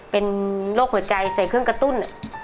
เป็นโรคหัวใจใส่เครื่องกระตุ้น